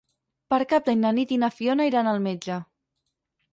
Per Cap d'Any na Nit i na Fiona iran al metge.